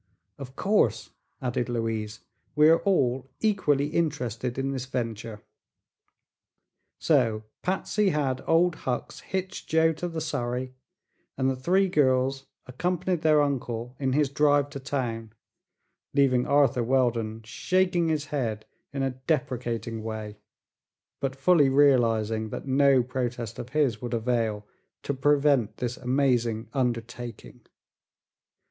"Of course," added Louise; "we are all equally interested in this venture." So Patsy had old Hucks hitch Joe to the surrey, and the three girls accompanied their uncle in his drive to town, leaving Arthur Weldon shaking his head in a deprecating way but fully realizing that no protest of his would avail to prevent this amazing undertaking.